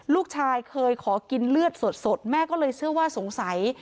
ลูกชายเคยขอกินเลือดสดแม่ก็เลยเชื่อว่าสงสัย